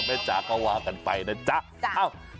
แม่จ๊ะก็ว่ากันไปนะจ๊ะ